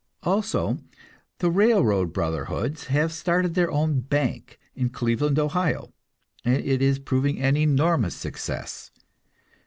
Also, the railroad brotherhoods have started their own bank, in Cleveland, Ohio, and it is proving an enormous success.